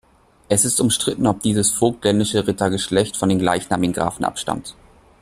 Es ist umstritten, ob dieses vogtländische Rittergeschlecht von den gleichnamigen Grafen abstammt.